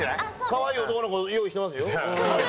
かわいい男の子用意してますよ。